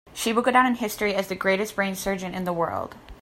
She will go down in history as the greatest brain surgeon in the world.